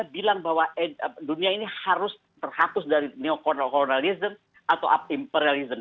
mereka bilang bahwa dunia ini harus terhapus dari neo colonialism atau imperialism